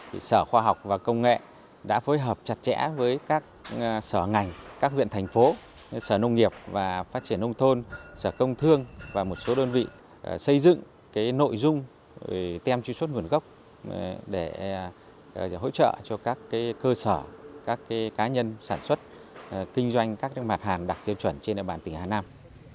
các sở khoa học và công nghệ đã phối hợp chặt chẽ với các sở ngành các viện thành phố sở nông nghiệp và phát triển nông thôn sở công thương và một số đơn vị xây dựng nội dung tem tri xuất nguồn gốc để hỗ trợ cho các cơ sở các cá nhân sản xuất kinh doanh các mặt hàng đặc tiêu chuẩn trên địa bàn tỉnh hà nam